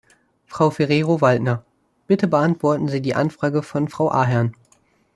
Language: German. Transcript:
Frau Ferrero-Waldner, bitte beantworten Sie die Anfrage von Frau Ahern.